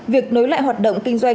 việc nối lại hoạt động kinh doanh